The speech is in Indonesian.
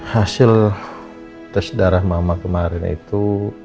hasil tes darah mama kemarin itu